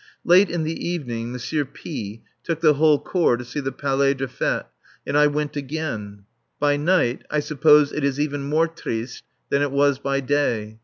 Late in the evening M. P took the whole Corps to see the Palais des Fêtes, and I went again. By night I suppose it is even more "triste" than it was by day.